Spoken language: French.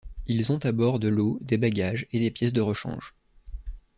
Ils ont à bord de l'eau, des bagages, et des pièces de rechange.